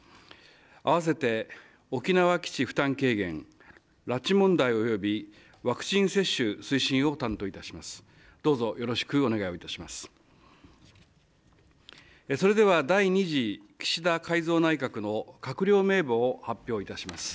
合わせて沖縄基地負担軽減、拉致問題およびワクチン接種推進を担当いたします。